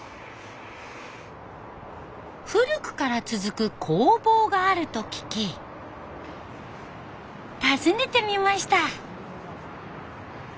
古くから続く工房があると聞き訪ねてみました。